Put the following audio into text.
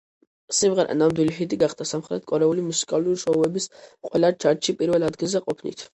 სიმღერა ნამდვილი ჰიტი გახდა, სამხრეთ კორეული მუსიკალური შოუების ყველა ჩარტში პირველ ადგილზე ყოფნით.